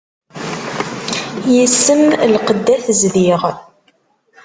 Yis-m lqedd ad t-zdiɣ.